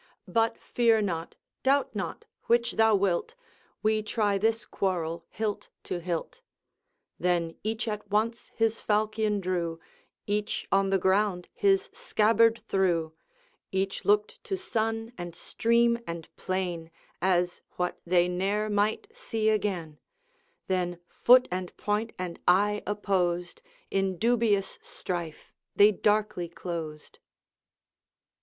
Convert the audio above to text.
But fear not doubt not which thou wilt We try this quarrel hilt to hilt.' Then each at once his falchion drew, Each on the ground his scabbard threw Each looked to sun and stream and plain As what they ne'er might see again; Then foot and point and eye opposed, In dubious strife they darkly closed.